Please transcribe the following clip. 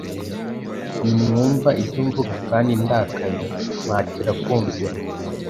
Ntimwumva ibyo mvuga, Kandi, ndakaye, mpatira kumvira.